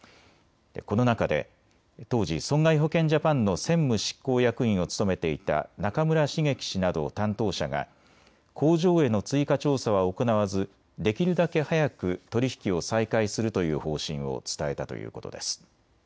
この中で当時、損害保険ジャパンの専務執行役員を務めていた中村茂樹氏など担当者が工場への追加調査は行わずできるだけ早く取り引きを再開するという方針を伝えたということです。